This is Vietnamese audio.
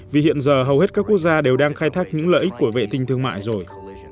vì hiện giờ hầu hết các quốc gia đều đang khai thác những lợi ích của vệ tinh thương mại rồi